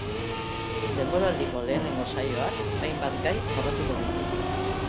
Denboraldiko lehenengo saioak hainbat gai jorratuko ditu.